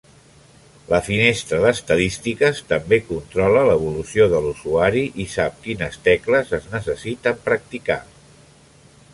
La finestra d'estadístiques també controla l'evolució de l'usuari i sap quines tecles es necessiten practicar.